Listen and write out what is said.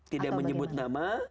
tidak menyebut nama